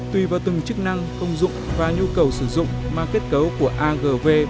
tùy vào từng chức năng công dụng và nhu cầu sử dụng mà kết cấu của agv